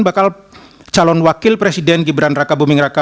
bakal calon wakil presiden gibran raka buming raka